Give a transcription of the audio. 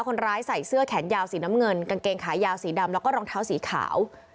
คนร้ายใส่เสื้อแขนยาวสีน้ำเงินกางเกงขายาวสีดำแล้วก็รองเท้าสีขาว